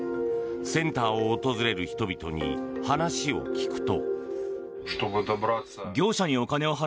センターを訪れる人々に話を聞くと。